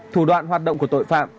thủ đoạn hoạt động của tội phạm